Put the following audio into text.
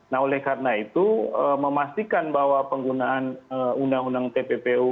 nah oleh karena itu memastikan bahwa penggunaan undang undang tppu untuk menjerat pelanggan